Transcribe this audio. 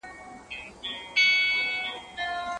د کورنیو د مشرانو لخوا ولي تهدیدونه واقع کيږي؟